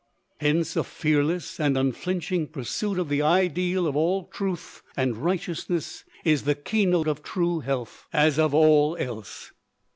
Hence, a fearless and unflinching pursuit of the ideal of Truth and Righteousness is the key note of true health as of all else.